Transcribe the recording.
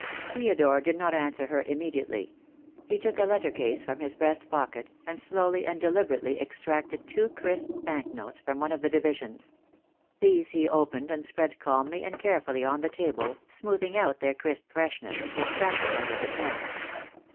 Theodore did not answer her immediately. He took a letter case from his breast pocket, and slowly and de liberately extracted two crisp bank notes from one of the divisions. These he opened and spread calmly and carefully on the table, smoothing out their crisp fresh ness, which crackled under his hand.